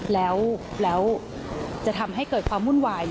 แล้วจะทำให้เกิดความวุ่นวาย